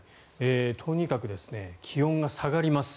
とにかく気温が下がります。